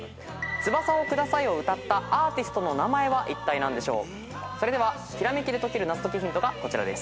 ［『翼をください』を歌ったアーティストは誰でしょう？］